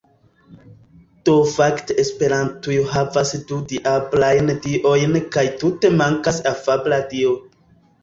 Do fakte esperantujo havas du diablajn diojn kaj tute mankas afabla dio